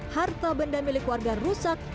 harta benda milik warga rusak